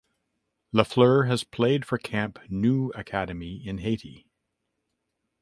Lafleur has played for Camp Nous Academy in Haiti.